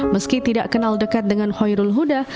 meski tidak kenal dekat dengan hoyrul huda